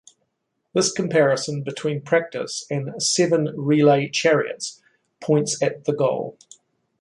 This comparison between practice and "seven relay chariots" points at the goal.